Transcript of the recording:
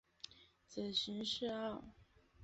子荀逝敖。